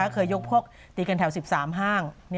เคยยกพวกตีกันแถว๑๓ห้าง